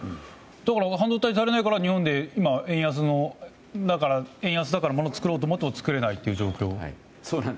半導体が足りないから日本で円安だからものを作ろうと思っても作れないという状況。